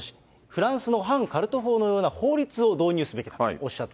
フランスの反カルト法のようなものの法律を導入すべきだとおっし